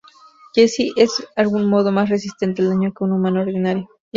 Jessica es de algún modo más resistente al daño que un humano ordinario.